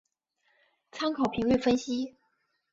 参考频率分析。